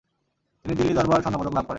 তিনি দিল্লি দরবার স্বর্ণপদক লাভ করেন।